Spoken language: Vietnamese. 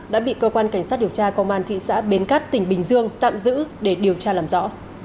đã bị cơ quan cảnh sát điều tra công an thị xã bến cát tỉnh bình dương tạm giữ để điều tra làm rõ